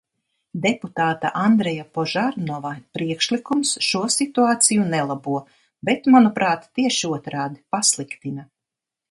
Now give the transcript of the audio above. Deputāta Andreja Požarnova priekšlikums šo situāciju nelabo, bet, manuprāt, tieši otrādi, pasliktina.